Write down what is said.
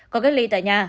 còn cách ly tại nhà